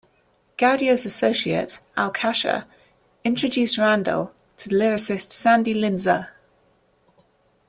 Gaudio's associate, Al Kasha, introduced Randell to lyricist Sandy Linzer.